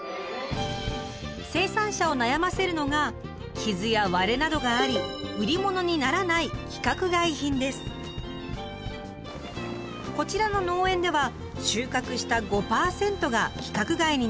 生産者を悩ませるのが傷や割れなどがあり売り物にならないこちらの農園では収穫した５％が規格外になるといいます。